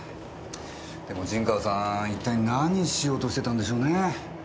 でも陣川さん一体何しようとしてたんでしょうね。